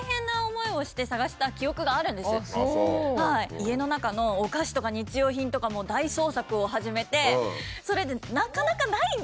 家の中のお菓子とか日用品とか大捜索を始めてそれでなかなかないんですよ。